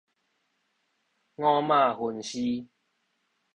五馬分屍